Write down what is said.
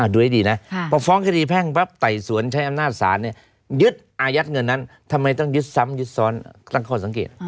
ดูให้ดีนะพอฟ้องคดีแพ่งปั๊บไต่สวนใช้อำนาจศาลยึดอายัดเงินนั้นทำไมต้องยึดซ้ำยึดซ้อนตั้งข้อสังเกต